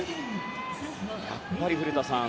やっぱり古田さん